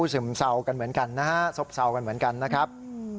ซึมเศร้ากันเหมือนกันนะฮะซบเศร้ากันเหมือนกันนะครับ